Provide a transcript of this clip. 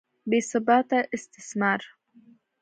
بې ثباته استثمار.